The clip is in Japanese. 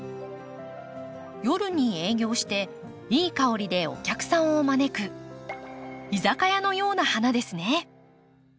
夜に営業していい香りでお客さんを招く居酒屋のような花ですね。